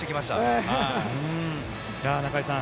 中居さん